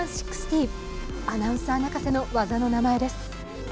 アナウンサー泣かせの技の名前です。